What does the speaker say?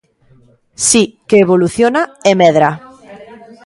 Si, que evoluciona e medra